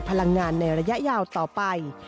พลังงานในระยะยาวต่อไป